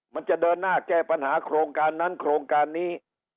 มันจะเดินหน้าแก้ปัญหาโครงการนั้นโครงการนี้